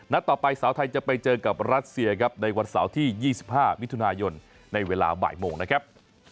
ต่อไปสาวไทยจะไปเจอกับรัสเซียครับในวันเสาร์ที่๒๕มิถุนายนในเวลาบ่ายโมงนะครับ